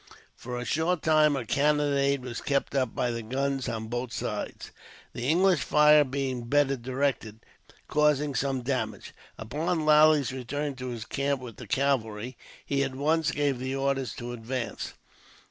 For a short time a cannonade was kept up by the guns on both sides, the English fire, being better directed, causing some damage. Upon Lally's return to his camp with the cavalry, he at once gave the order to advance.